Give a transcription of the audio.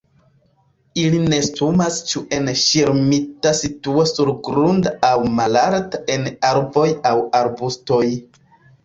Ili nestumas ĉu en ŝirmita situo surgrunda aŭ malalte en arboj aŭ arbustoj.